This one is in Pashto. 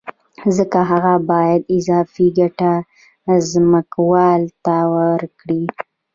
ځکه هغه باید اضافي ګټه ځمکوال ته ورکړي